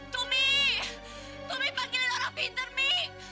tumi tumi panggilin orang pintar mi